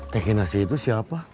teh kinasi itu siapa